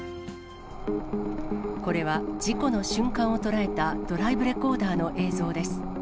これは事故の瞬間を捉えた、ドライブレコーダーの映像です。